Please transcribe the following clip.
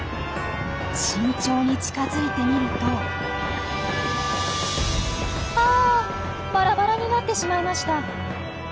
慎重に近づいてみるとあバラバラになってしまいました。